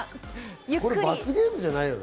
罰ゲームじゃないよね？